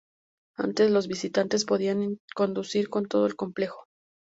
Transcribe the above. Antes los visitantes podían conducir por todo el complejo.